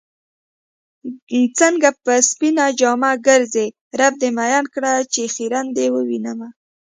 څنګه په سپينه جامه ګرځې رب دې مئين کړه چې خيرن دې ووينمه